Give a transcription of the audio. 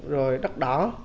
rồi đất đỏ